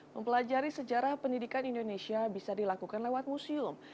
mempelajari sejarah pendidikan indonesia bisa dilakukan lewat museum